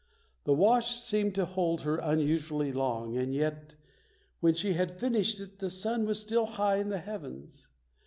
The wash seemed to hold her unusually long and yet, when she had finished it, the sun was still high in the heavens.